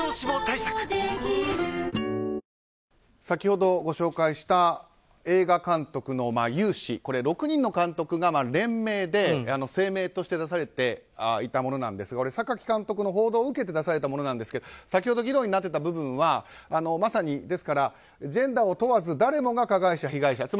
先ほどご紹介した映画監督の有志６人の監督が連名で声明として出されていたものなんですが榊監督の報道を受けて出されたものなんですけど先ほど議論になってた部分はまさに、ジェンダーを問わず誰もが加害者、被害者。